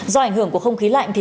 do ảnh hưởng của không khí lạnh